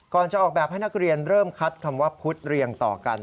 จะออกแบบให้นักเรียนเริ่มคัดคำว่าพุทธเรียงต่อกัน